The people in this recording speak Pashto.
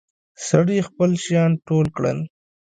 سړي خپل شيان ټول کړل.